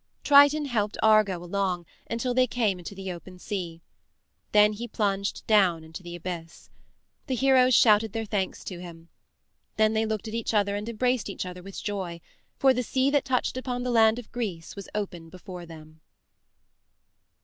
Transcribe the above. Triton helped Argo along until they came into the open sea. Then he plunged down into the abyss. The heroes shouted their thanks to him. Then they looked at each other and embraced each other with joy, for the sea that touched upon the land of Greece was open before them.